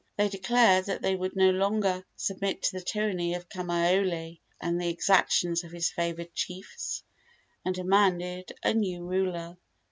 They declared that they would no longer submit to the tyranny of Kamaiole and the exactions of his favored chiefs, and demanded a new ruler.